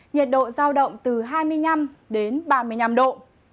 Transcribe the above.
nhiệt độ giao động từ hai mươi năm đến ba mươi năm độ